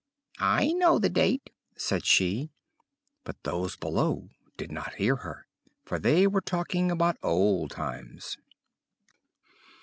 'I know the date,' said she; but those below did not hear her, for they were talking about old times.